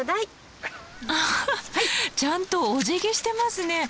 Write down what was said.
アハッちゃんとおじぎしてますね！